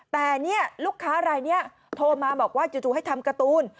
แต่เนี่ยลูกค้ารายนี้โทรมาบอกว่าจู่ให้ทำการ์ตูน